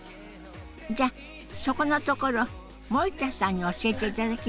じゃあそこのところ森田さんに教えていただきましょう。